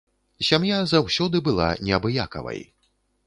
Сям'я заўсёды была неабыякавай.